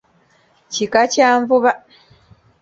Kika kya Nvuba.